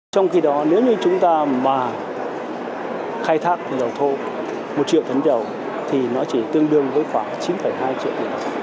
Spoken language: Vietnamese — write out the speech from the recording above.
trong khi đó nếu như chúng ta mà khai thác dầu thô một triệu tấn dầu thì nó chỉ tương đương với khoảng chín hai triệu